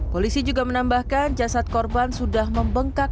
polisi juga menambahkan jasad korban sudah membengkak